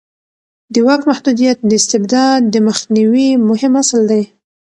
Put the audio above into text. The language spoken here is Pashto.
د واک محدودیت د استبداد د مخنیوي مهم اصل دی